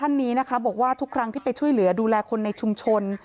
ท่านนี้นะคะบอกว่าทุกครั้งที่ไปช่วยเหลือดูแลคนในชุมชน